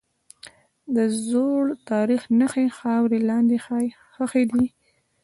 د زوړ تاریخ نښې خاورې لاندې ښخي دي.